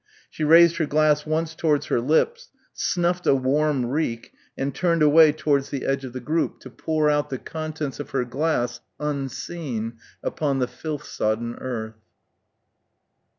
She raised her glass once towards her lips, snuffed a warm reek, and turned away towards the edge of the group, to pour out the contents of her glass, unseen, upon the filth sodden earth.